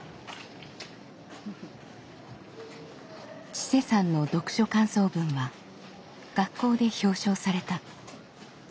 千青さんの読書感想文は学校で表彰された。